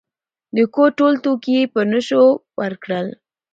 د کور ټول توکي یې په نشو ورکړل.